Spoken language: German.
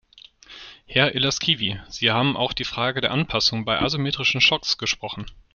Herr Ilaskivi, Sie haben auch die Frage der Anpassung bei asymmetrischen Schocks gesprochen.